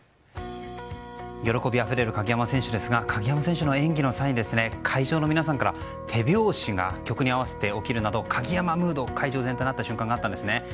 喜びあふれる鍵山選手ですが鍵山選手の演技の際に会場の皆さんから手拍子が曲に合わせて起きるなど鍵山ムードに会場全体がなった瞬間があったんですね。